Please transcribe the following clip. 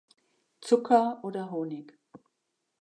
Zucker oder Honig.